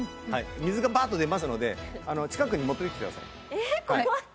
水がバーッと出ますので近くに持っていってください。